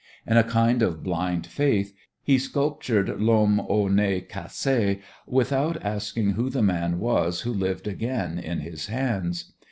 In a kind of blind faith he sculptured "L'Homme au Nez Cassé" without asking who the man was who lived again in his hands.